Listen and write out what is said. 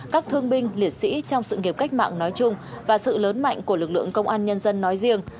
các thương binh liệt sĩ trong sự nghiệp cách mạng nói chung và sự lớn mạnh của lực lượng công an nhân dân nói riêng